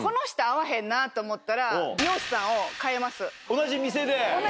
同じ店で。